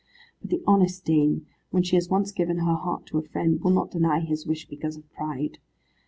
But the honest dame, when she has once given her heart to a friend, will not deny his wish because of pride.